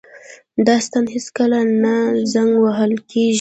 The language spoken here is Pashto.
دا ستن هیڅکله نه زنګ وهل کیږي.